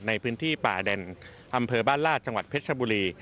ในพื้นที่ป่าแดนอำเภอบ้านลาดจังหวัดเพชรชบุรี